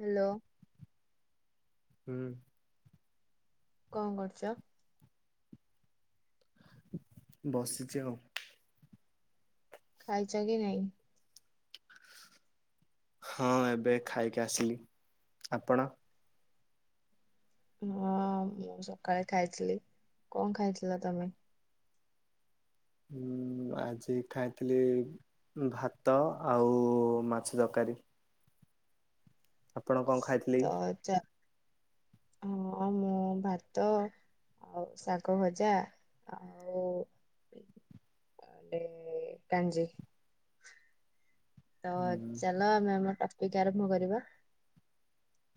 Hello ହୁଁ କଣ କରୁଛ? ବସିଛି ଆଉ। ଖାାଇଚ କି ନାହିଁ? ହଁ ଏବେ ଖାଇକି ଆସିଲି ଆପଣ? ହଁ ମୁଁ ସକାଳେ ଖାଇଥିଲି। କଣ ଖାଇଥିଲ ତମେ? ହୁଁ ଆଜି ଖାଇଥିଲି ଭାତ ଆଉ ମାଛ ତରକାରୀ ଆପଣ କଣ ଖାଇଥିଲେ ତ କି? ଆ ହଁ ମୁଁ ଭାତ ଆଉ ଶାଗ ଭଜା ଆଉ କାଞ୍ଜି ତ ହୁଁ ଚାଲ ଆମେ ଆମ ଟପିକ ଆରମ୍ଭ କରିବା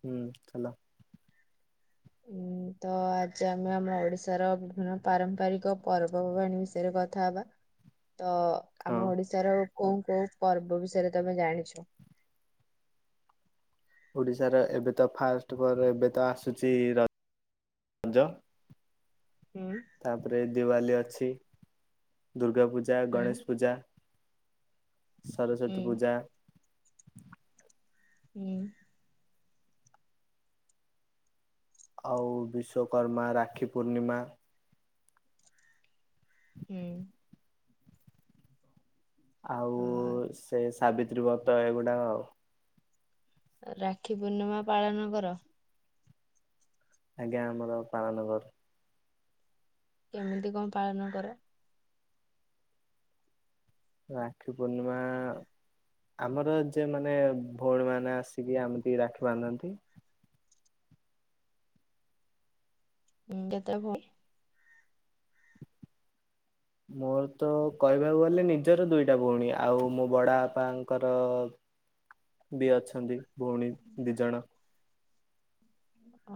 ହୁଁ ଚାଲ ହୁଁ ତ ଆଜି ଆମେ ଆମ ଓଡିଶାର ବିଭିନ୍ନ ପାରମ୍ପରିକ ପର୍ବପର୍ବାଣୀ ବିଷୟରେ କଥା ହବା ତ ହଁ। ଆମ ଓଡିଶାର କୋଉ କୋଉ ପର୍ବ ବିଷୟରେ ତମେ ଜାଣିଛ? ଓଡ଼ିଶାର ଏବେ ତ ଫାଷ୍ଟ ପରେ ଏବେ ତ ଆସୁଛି ରଜ ହୁଁ ତାପରେ ଦିୱାଲି ଅଛି। ଦୁର୍ଗା ପୂଜା, ହୁଁ ଗଣେଶ ପୂଜା ହୁଁ ସରସ୍ଵତୀ ପୂଜା ହୁଁ ଆଉ ବିଶ୍ଵକର୍ମା, ରାକ୍ଷୀ ପୂର୍ଣ୍ଣିମା ହୁଁ ଆଉ ହଁ ସେ ସାବିତ୍ରୀ ବ୍ରତ ଏଗୁଡା ଆଉ ରାକ୍ଷୀ ପୂର୍ଣ୍ଣିମା ପାଳନ କର ଆଜ୍ଞା ଆମର ପାଳନ କରୁ କେମିତି କଣ ପାଳନ କର? ରାକ୍ଷୀ ପୂର୍ଣ୍ଣିମା ଆମର ଯେ ମାନେ ଭଉଣୀ ମାନେ ଆସିକି ଆମିତି ରାକ୍ଷୀ ବାନ୍ଧନ୍ତି ହ କେତ ଭଉଣି ମୋର ତ କହିବାକୁ ଗଲେ ନିଜର ଦୁଇଟା ଭଉଣୀ ଆଉ ମୋ ବଡ ବାପାଙ୍କର [inaudible] ବି ଅଛନ୍ତି ଭଉଣି ଦି ଜଣ। ଅ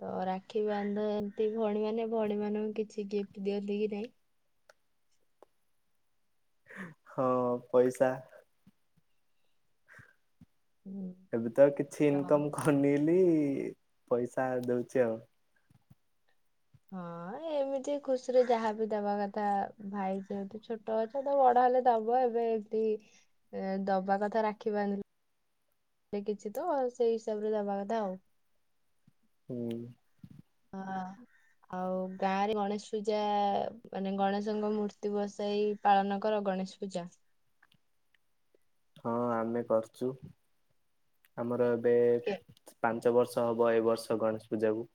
ତ ରାକ୍ଷୀ ବାନ୍ଧ ଏନ୍ତି ଭଉଣୀ ମାନେ ଭଉଣୀ ମାନଙ୍କୁ କିଛି ଗିଫ୍ଟ ଦିଅନ୍ତି କି ନାଇଁ? ହଁ ପଇସା ହୁଁ ଏବେ ତ କିଛି ତ ଇନକମ ଖନିଲି, ପଇସା ଦଉଛି ଆଉ। ହଁ, ଏ ଏମିତି ଖୁସି ରେ ଯାହା ବିି ଦବା କଥା ଭାଇ ଯେହେତୁ ଛୋଟ ଅଛ ତ ବଡ ହେଲେ ଦବ, ଏବେ ତି ଏଁ ଦବା କଥା ରାକ୍ଷୀ ବାନ୍ଧ କିଛି ତ ସେଇ ହିସାବରେ ଦବା କଥା ଆଉ। ହୁଁ। ହଁ। ଆଉ ଗାଁ ରେ ଗଣେଶ ପୂଜା, ମାନେ ଗଣେଶଙ୍କ ମୂର୍ତ୍ତି ବସାଇ ପାଳନ କର ଗଣେଶ ପୂଜା? ହଁ ଆମେ କରୁଛୁ, ଆମର ଏବେ କେ ପାଁ ପାଞ୍ଚ ବର୍ଷ ହବ ଏ ବର୍ଷ ଗଣେଶ ପୂଜାକୁ।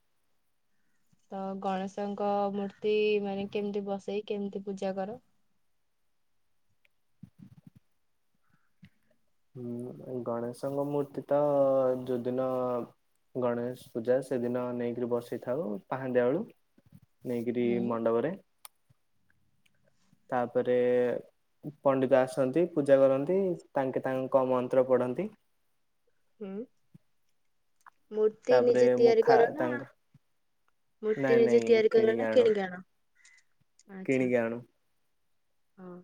ତ ଗଣେଶଙ୍କ ମୂର୍ତ୍ତି ମାନେ କେମିତି ବସେଇ କେମିତି ପୂଜା କର? ହୁଁ, ଗଣେଶଙ୍କ ମୂର୍ତ୍ତି ତ ଯୋଉଦିନ ଗଣେଶ ପୂଜା ସେଦିନ ନେଇକରି ବସିଥାଉ, ପାହାନ୍ଦୀ ବେଳୁ ନେଇକିରି ହୁଁ। ମଣ୍ଡପ ରେ ତାପରେ ପଣ୍ଡିତ ଆସନ୍ତି, ପୂଜା କରନ୍ତି, ତାଙ୍କେ ତାଙ୍କ ମନ୍ତ୍ର ପଢ଼ନ୍ତି। ହୁଁ। ମୂର୍ତ୍ତି ତାପରେ ନିଜେ ତିଆରି ମୁଖା କର ନା, ତାଙ୍କ ନାଇଁ ମୂର୍ତ୍ତି ନିଜେ ନାଇଁ ତିଆରି କର ନା ଆଣୁ କିଣିକି ଆଣ? ଆଚ୍ଛା, କିଣିକି ଆଣୁ ହଁ।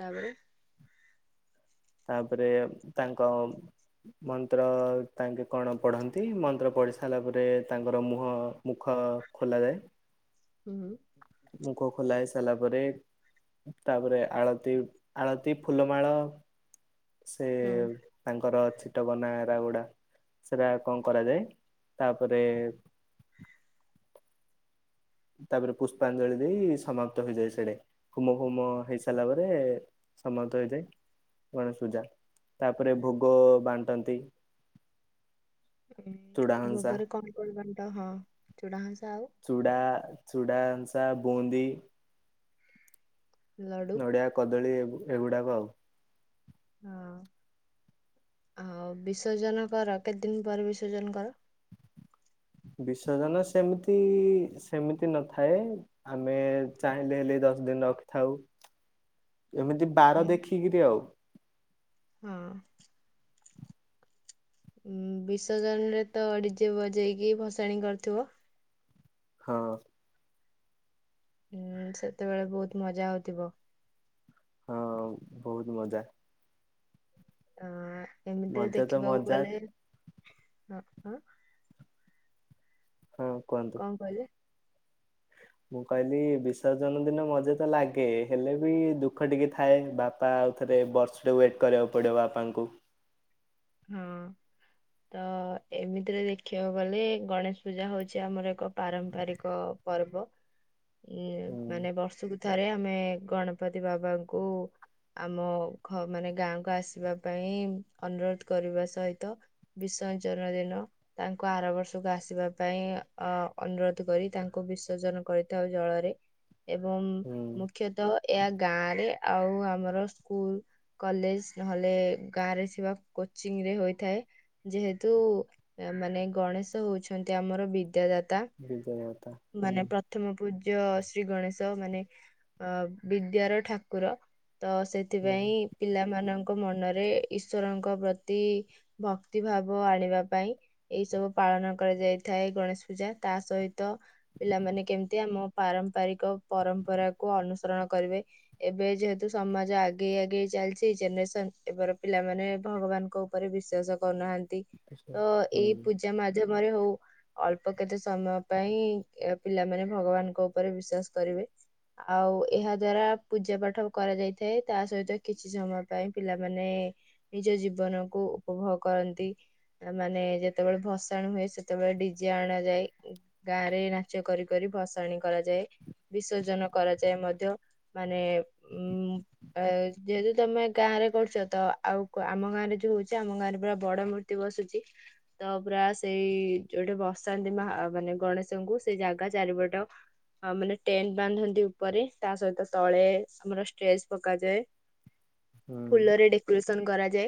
ତାପରେ ତାପରେ ତାଙ୍କ ମନ୍ତ୍ର ତାଙ୍କେ କଣ ପଢ଼ନ୍ତି, ମନ୍ତ୍ର ପଢ଼ି ସାରିଲା ପରେ ତାଙ୍କର ମୁହଁ ମୁଖ ଖୋଲାଯାଏ। ହୁଁ। ମୁଖ ଖୋଲା ହେଇ ସାରିଲା ପରେ ତାପରେ ଆଳତି, ଆଳତି, ଫୁଲମାଳ, ସେ ହୁଁ। ତାଙ୍କର ଛିଟ କନା ରାଗୁଡା, ସେରା କଣ କରାଯାଏ, ତାପରେ ତାପରେ ପୁଷ୍ପାଞ୍ଜଳି ଦେଇ ସମାପ୍ତ ହେଇଯାଏ ସେଟେ, ହୁମ ହୁମ ହେଇ ସାରିଲା ପରେ ସମସ୍ତ ହେଇଯାଏ ଗଣେଶ ପୁଜା ତାପରେ ଭୋଗ ବାଣ୍ଟନ୍ତି। ଚୁଡାହଂସା। ଭୋଗରେ କଣ କଣ ବାଣ୍ଟ, ହଁ ଚୁଡା ହଁଷା ଆଉ? ଚୁଡ଼ା, ଚୁଡ଼ାସାଁ, ବୁନ୍ଦି ଲଡୁ। ନଡ଼ିଆ, କଦଳୀ, ଏ ଏଗୁଡ଼ାକ ଆଉ। ହଁ, ଆଉ ବିସର୍ଜନ କର, କେତେ ଦିନ ପରେ ବିସର୍ଜନ କର? ବିସର୍ଜନ ସେମିତି, ସେମିତି ନଥାଏ। ଆମେ ଚାହିଁଲେ ହେଲେ ଦଶ ଦିନ ରଖିଥାଉ, ଏମିତି ହୁଁ ବାର ଦେଖିକିରି ଆଉ। ହଁ। ଉଁ ବିସର୍ଜନରେ ତ ଡିଜେ ବଜେଇକି ଭସାଣି କରିଥିବ? ହଁ। ହୁଁ ସେତେବେଳେ ବହୁତ ମଜା ହଉଥିବ? ହଁ ବହୁତ ମଜା। ଅ ଏମିତି ମଜା ତ ଦେଖିବାକୁ ମଜା ଗଲେ ହଁ। ହଁ କୁହନ୍ତୁ। ବ [inaudible] ମୁଁ କହିଲି ବିସର୍ଜନ ଦିନ ମଜା ତ ଲାଗେ ହେଲେ ବି ଦୁଃଖ ଟିକେ ଥାଏ ବାପା। ବାପା ଆଉ ଥରେ ବର୍ଷଟେ ୱେଟ୍ କରିବାକୁ ପଡ଼ିବ ବାପାଙ୍କୁ। ହଁ। ତ ଏମିତିରେ ଦେଖିବାକୁ ଗଲେ ଗଣେଶ ପୂଜା ହଉଛି ଆମର ଏକ ପାରମ୍ପାରିକ। ପର୍ବ ଇଏ ହୁଁ ମାନେ ବର୍ଷକୁ। ଥରେ ଆମେ ଗଣପତି ବାବାଙ୍କୁ। ଆମ ମାନେ ଗାଁକୁ ଆସିବା ପାଇଁ ଅନୁରୋଧ କରିବା ସହିତ। ବିସର୍ଜନ ଦିନ। ତାଙ୍କୁ ଆର ବର୍ଷକୁ ଆସିବା ପାଇଁ ଅ ଅନୁରୋଧ କରି ତାଙ୍କୁ ବିସର୍ଜନ କରି। ଜଳରେ ଏବଂ ମୁଁ। ହୁଁ ମୁଖ୍ୟତଃ ଏହା ଗାଁ ରେ ଆଉ ଆମର ସ୍କୁଲ୍‌। କଲେଜ ନହେଲେ ଗାଁ ରେ ଥିବା କୋଚିଂ ରେ ହୋଇଥାଏ। ଯେହେତୁ ମାନେ ଗଣେଶ ହଉଛନ୍ତି ଆମର ବିଦ୍ୟାଦାତା। ବିଜୟ କଥା ହୁଁ ମାନେ ପ୍ରଥମ ପୂଜ୍ୟ ଶ୍ରୀ ଗଣେଶ ମାନେ। ଅ ବିଦ୍ୟାର ଠାକୁର ତ ସେ। ହୁଁ ସେଥିପାଇଁ ପିଲାମାନଙ୍କ ମନରେ ଈଶ୍ୱରଙ୍କ ପ୍ରତି। ଭକ୍ତି ଭାବ ଆଣିବା ପାଇଁ ଏଇ ସବୁ ପାଳନ କରାଯାଇଥାଏ ଗଣେଶ ପୂଜା ତା ସହି। ତ ପିଲାମାନେ କେମିତି ଆମ ପାରମ୍ପାରିକ ପରମ୍ପରାକୁ ଅନୁସରଣ କରିବେ। ଏବେ ଯେହେତୁ ସମାଜ ଆଗେଇ ଆଗେଇ ଚାଲିଛି ଜେନେରେସନ୍ ଏବେର ପିଲାମାନେ। ଭଗବାନଙ୍କ ଉପରେ ବିଶ୍ଵାସ କରୁନାହାନ୍ତି ତ ହୁଁ ଏଇ ପୂଜା ମାଧ୍ୟମରେ ହଉ। ଅଳ୍ପ କେତେ ସମୟ ପାଇଁ ପିଲାମାନେ ଭଗବାନଙ୍କ ଉପରେ ବିଶ୍ବାସ କରିବେ। ଆଉ ଏହା ଦ୍ଵାରା ପୂଜା ପାଠ କରାଯାଇଥାଏ ତା ସହିତ କିଛି ସମୟ ପାଇଁ ପିଲାମାନେ। ନିଜ ଜୀବନକୁୁ ଉପଭୋଗ କରନ୍ତି। ମାନେ ଯେତେବେଳେ ଭସାଣି ହୁଏ ସେତେବେଳେ ଡିଜେ ଆଣା ଯାଏ। ଗାଁ ରେ ନାଚ କରି କରି ଭସାଣି କରାଯାଏ ବିସର୍ଜନ କରାଯାଏ ମଧ୍ୟ। ମାନେ ଉ ଯେହେତୁ ତମେ ଗାଁ ରେ କରୁଛ ତ ଆଉ। ଆମ ଗାଁରେ ଯୋଉ ହଉଛି ଆମ ଗାଁରେ ପୁରା ବଡ ମୂର୍ତ୍ତି ବସୁଛି। ତ ପୁରା ସେଇ ଯୋଉଠି ବସାନ୍ତି ମା ମାନେ ଗଣେଶଙ୍କୁ ସେଇ ଜାଗା ଚାରିପଟ। ମାନେ ଟେଣ୍ଟ ବାନ୍ଧନ୍ତି ଉପରେ ତା ସହିତ ତଳେ ଆମର ଷ୍ଟ୍ରେଚ୍ ପକାଯାଏ। ହୁଁ ଫୁଲରେ ଡେକୋରେସନ୍ କରାଯାଏ।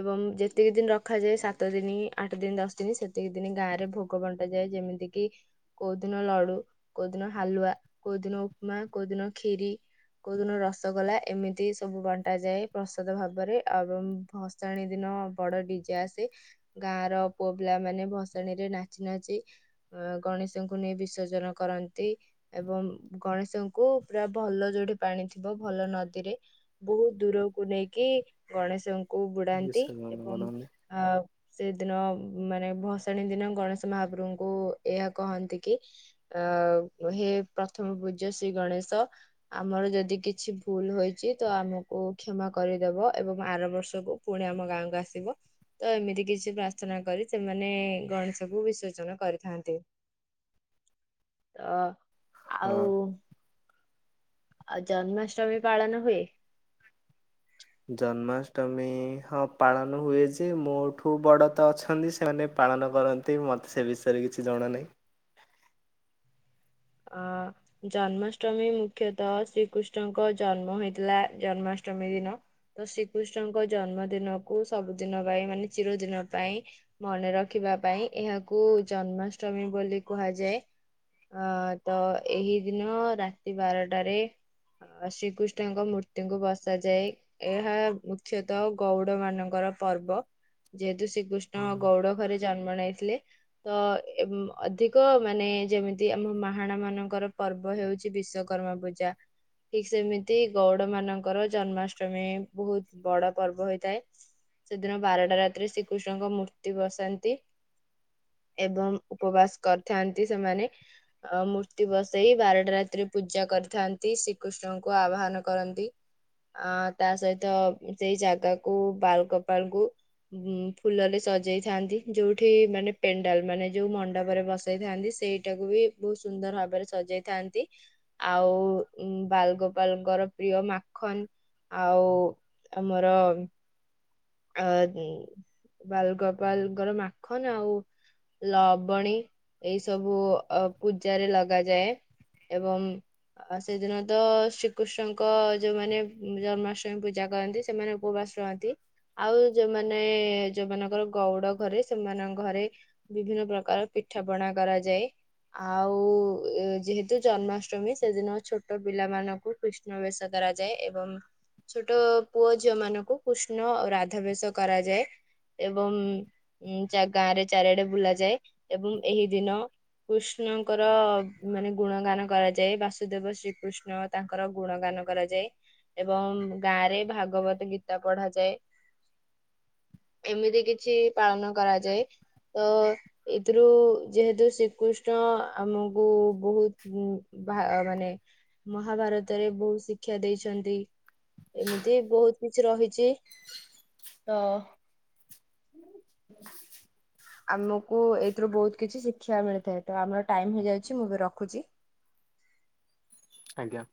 ଏବଂ ଯେତିକି ଦିନ ରଖାଯାଏ ସାତ ଦିନ ଆଠ ଦିନ ଦଶ ଦିନ ସେତିକି ଦିନ ଗାଁରେ ଭୋଗ ବଣ୍ଟାଯାଏ ଯେମିତି। ଯେକ କି [unintelligible] କୋଉ ଦିନ ଲଡୁ କୋଉ ଦିନ ହାଲୁଆ କୋଉ ଦିନ ଉପମା କୋଉ ଦିନ କ୍ଷୀରି। କୋଉ ଦିନ ରସଗୋଲା ଏମିତି ସବୁ ବଣ୍ଟାଯାଏ ପ୍ରସାଦ ଭାବରେ। ଆଉ ଭସାଣି ଦିନ ବଡ ଡିଜେ ଆସେ। ଗାଁ ର ପୁଅପିଲା ମାନେ ଭସାଣି ରେ ନାଚି ନାଚି। ଅ ଗଣେଶଙ୍କୁ ନେଇ ବିସର୍ଜନ କରନ୍ତି। ଏବଂ ଗଣେଶଙ୍କୁ ପୁରା ଭଲ ଯୋଉଠି ପାଣି ଥିବ ଭଲ ନଦୀରେ। ବହୁତ ଦୂରକୁ ନେଇକି ଗଣେଶଙ୍କୁ ବୁଡାନ୍ତି ବିସର୍ଜନ ଏବଂ କରନ୍ତି ଆ। ସେଦିନ ମାନେ ଭସାଣି ଦିନ ଗଣେଶ ମହାପ୍ରଭୁଙ୍କୁ ଏହା କହନ୍ତି କି। ଅ ହେ ପ୍ରଥମ ପୂଜ୍ୟ ଶ୍ରୀ ଗଣେଶ। ଆମର ଯଦି କିଛି ଭୁଲ୍ ହୋଇଛି ତ ଆମକୁ କ୍ଷମା କରିଦବ। ଏବଂ ଆର ବର୍ଷକୁ ପୁଣି ଆମ ଗାଁକୁ ଆସିବ। ତ ଏମିତି କିଛି ପ୍ରାର୍ଥନା କରି ସେମାନେ ଗଣେଶ କ ବିସର୍ଜନ କରିଥାନ୍ତି। ତ ହଁ। ଆଉ ଆଉ ଜନ୍ମାଷ୍ଟମୀ ପାଳନ ହୁଏ। ଜନ୍ମାଷ୍ଟମୀ ହଁ ପାଳନ ହୁଏ ଯେ ମୋଠୁ ବଡ଼ ତ ଅଛନ୍ତି ସେମାନେ ପାଳନ କରନ୍ତି। ମେ ମୋତେ ସେ ବିଷୟରେ କିଛି ଜଣା ନାହିଁ। ହଁ। ଜନ୍ମାଷ୍ଟମୀ ମୁଖ୍ୟତଃ ଶ୍ରୀକୃଷ୍ଣଙ୍କ ଜନ୍ମ ହେଇଥିଲା ଜନ୍ମାଷ୍ଟମୀ ଦିନ। ତ ଶ୍ରୀକୃଷ୍ଣଙ୍କ ଜନ୍ମଦିନକୁ ସବୁଦିନ ପାଇଁ ମାନେ ଚିରଦିନ ପାଇଁ ମନେ ରଖିବା ପାଇଁ ଏହାକୁ ଜନ୍ମାଷ୍ଟମୀ ବୋଲି କୁହାଯାଏ ଅ ତ ଏହି ଦିନ ରାତି ବାରଟାରେ। ଅ ଶ୍ରୀକୃଷ୍ଣଙ୍କ ମୂର୍ତ୍ତିଙ୍କୁ ବସାଯାଏ। ଏହା ମୁଖ୍ୟତଃ ଗୌଡ ମାନଙ୍କର ପର୍ବ ଯେହେତୁ ଶ୍ରୀକୃଷ୍ଣ। ହୁଁ କୃଷ୍ଣ ଗୌଡ଼ ଘରେ ଜନ୍ମ ନେଇଥିଲେ ତ ଅଧିକ ମାନେ ଯେମିତି ସେମ ମା। ମହାଣ ମାନଙ୍କର ପର୍ବ ହଉଛି ବିଶ୍ଵକର୍ମା ପୂଜା। ଠିକ ସେମିତି ଗୌଡ ମାନଙ୍କର ଜନ୍ମାଷ୍ଟମୀ ବହୁତ ବଡ ପର୍ବ ହେଇଥାଏ। ସେଦିନ ବାରଟା ରାତିରେ ଶ୍ରୀକୃଷ୍ଣଙ୍କ ମୂର୍ତ୍ତି ବସାନ୍ତି। ଏବଂ ଉପବାସ କରିଥାନ୍ତି ସେମାନେ। ଅ ମୂର୍ତ୍ତି ବସେଇ ବାରଟା ରାତିରେ ପୂଜା କରିଥାନ୍ତି ଶ୍ରୀକୃଷ୍ଣଙ୍କୁ ଆହୁଆଁ କରନ୍ତି। ଅ ତା ସହିତ ସେଇ ଜାଗାକୁୁ ବାଲଗୋପାଳ କ ଉ ଫୁଲରେ ସଜେଇଥାନ୍ତି ଯୋଉଠି ମାନେ ପେଣ୍ଡାଲ ମାନେ ଯୋଉ ମଣ୍ଡପରେ ବସେଇଥାନ୍ତି ସେଇ। ସେଟାକୁ ବି ବହୁତ ସୁନ୍ଦର ଭାବରେ ସଜେଇଥାନ୍ତି। ଆଉ ବାଲଗୋପାଲଙ୍କର ପ୍ରିୟ ମାଖନ। ଆଉ ଆମର। ଅ ବାଲଗୋପାଲଙ୍କର ମାଖନ ଆଉ ଲବଣୀ ଏଇ ସବୁ ଅ ପୂଜାରେ ଲଗାଯାଏ। ଏବଂ। ଆ ସେଦିନ ତ ଶ୍ରୀକୃଷ୍ଣଙ୍କ ଯୋଉମାନେ ଜନ୍ମାଷ୍ଟମୀ ପୂଜା କରନ୍ତି ସେମାନେ କୋଉ ବାସ। ଛନ୍ତି ଆଉ ଯୋଉମାନେ ଯୋଉମାନଙ୍କର ଗଉଡ ଘରେ ସେମାନଙ୍କ ଘରେ ବିଭିନ୍ନ ପ୍ରକାର ପିଠା ପଣା କରାଯାଏ। ଆଉ ଯେହେତୁ ଜନ୍ମାଷ୍ଟମୀ ସେଦିନ ଛୋଟ ପିଲାମାନଙ୍କୁ। କୃଷ୍ଣ ବେଶ କରାଯାଏ ଏବଂ ଛୋଟ ପୁଅ ଝିଅ ମାନଙ୍କୁ କୃଷ୍ଣ ରା ଅଧ୍ୟାବେସ କରାଯାଏ ଏବଂ। ଉଁ ଗାଁ ରେ ଚାରିଆଡେ ବୁଲା ଯାଏ ଏବଂ ଏହି ଦିନ। କୃଷ୍ଣଙ୍କର ମାନେ ଗୁଣଗାନ କରାଯାଏ ବାସୁଦେବ ଶ୍ରୀକୃଷ୍ଣ। ତାଙ୍କର ଗୁଣଗାନ କରାଯାଏ ଏବଂ ଗାଁରେ ଭାଗବତ ଗୀତା ପଢାଯାଏ। ଏମିତି କିଛି ପାଳନ କରାଯାଏ। ତ ଏଥିରୁ ଯେହେତୁ ଶ୍ରୀକୃଷ୍ଣ ଆମକୁ ବହୁତ। ବା ମାନେ ମହାଭାରତରେ ବହୁତ ଶିକ୍ଷା ଦେଇଛନ୍ତି। ଏମିତି ବହୁତ କିଛି ରହିଛି ତ [inaudible] ଆମକୁ ଏଇଥିରୁ ବହୁତ କିଛି ଶିଖିବା ମିଳିଥାଏ ତ ଆମର ଟାଇମ ହେଇଯାଉଛି ମୁଁ ବି ରଖୁଛି। ଆଜ୍ଞା।